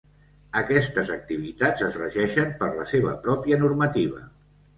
Aquestes activitats es regeixen per la seva pròpia normativa.